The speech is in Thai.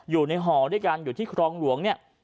อยู่ในห่อด้วยกันอยู่ที่ครองหลวงเนี่ย